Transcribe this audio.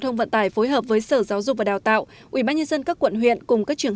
thông vận tải phối hợp với sở giáo dục và đào tạo ủy ban nhân dân các quận huyện cùng các trường